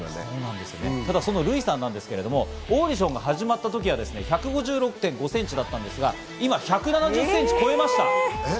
そのＲＵＩさんなんですけどオーディションが始まった時は１５６．５ｃｍだったんですが、今１７０ｃｍを超えました。